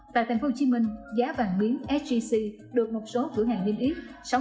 tại tp hcm giá vàng miếng sgc được một số cửa hàng niêm yết